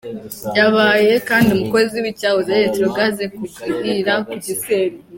Yabaye kandi umukozi w’icyahoze ari Electrogaz ku Gihira ku Gisenyi.